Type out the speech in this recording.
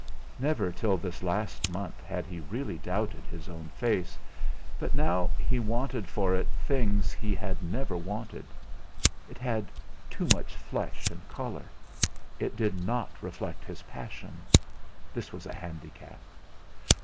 Never till this last month had he really doubted his own face; but now he wanted for it things he had never wanted. It had too much flesh and colour. It did not reflect his passion. This was a handicap.